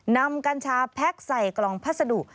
นำกัญชาแพ็กใส่กลองพัสดุ